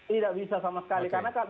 tidak bisa sama sekali